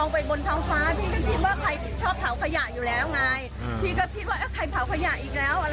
พี่ก็คิดว่าใครเผาขยะอีกแล้ว